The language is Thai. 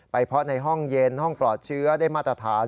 เพาะในห้องเย็นห้องปลอดเชื้อได้มาตรฐาน